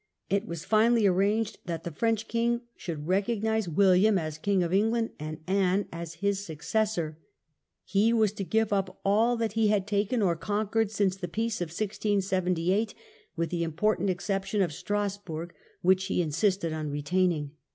It was finally arranged that the French king should recognize William as King of England and Anne as his successor. He was to give up all that he had taken or conquered since the peace of 1678, with the important exception of Stras bourg, which he insisted on retaining.